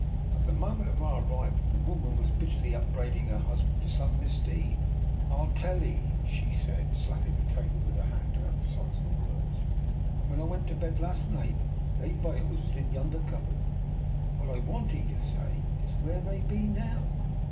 At the moment of our arrival the woman was bitterly upbraiding her hus band for some misdeed. " I tell 'ee,'' she said, slapping the table with her hand to emphasize her words, " that when I went to bed last night they vit tals was in yonder cupboard. What I want 'ee to say is where they be now?